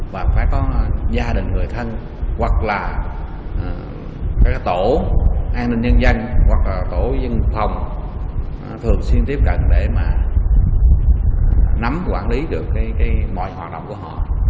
và phải có gia đình người thân hoặc là các tổ an ninh nhân dân hoặc là tổ dân phòng thường xuyên tiếp cận để mà nắm quản lý được mọi hoạt động của họ